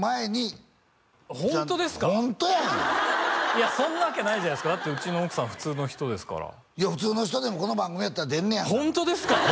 いやそんなわけないじゃないですかだってうちの奥さん普通の人ですからいや普通の人でもこの番組やったら出んねやホントですか！？